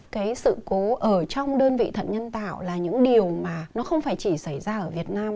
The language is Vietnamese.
cái sự cố ở trong đơn vị thận nhân tạo là những điều mà nó không phải chỉ xảy ra ở việt nam